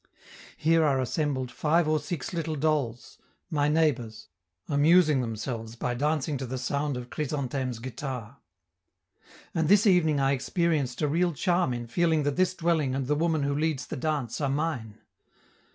Here are assembled five or six little dolls, my neighbors, amusing themselves by dancing to the sound of Chrysantheme's guitar. And this evening I experienced a real charm in feeling that this dwelling and the woman who leads the dance are mine.